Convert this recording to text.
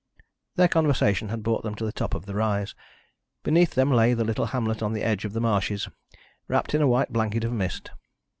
Their conversation had brought them to the top of the rise. Beneath them lay the little hamlet on the edge of the marshes, wrapped in a white blanket of mist.